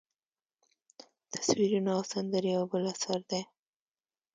تصویرونه او سندرې یو بل اثر دی.